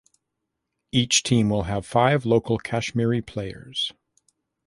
Each team will have five local Kashmiri players.